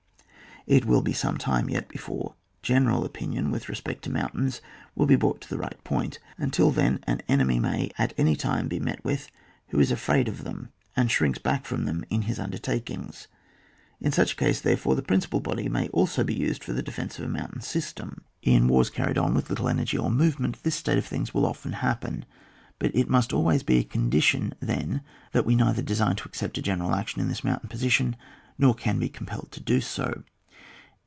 It will be some time yet before general opinion with respect to moun tains will be brought to the right point ; until then an enemy may at any time be met with who is afraid of them, and shrinks back from them in his imdertakings. In such a case, therefore, the principal body may also be used for the defence of a mountain system. In wars carried 126 ON WAR. [book VI. on with little energy or movementy this fitate of things will often happen ; but it must always be a condition then that we neither design to accept a general action in this mountain position, nor can be compelled to do so.